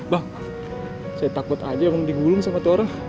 bang saya takut aja emang digulung sama tuh orang